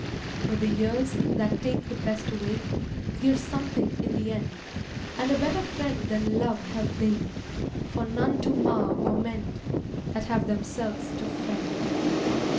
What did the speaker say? But the years, that take the best away, Give something in the end; And a better friend than love have they, For none to mar or mend, That have themselves to friend.